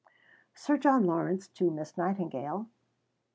(_Sir John Lawrence to Miss Nightingale.